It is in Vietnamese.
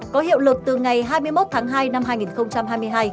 có hiệu lực từ ngày hai mươi một tháng hai năm hai nghìn hai mươi hai